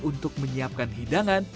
untuk menyiapkan hidangan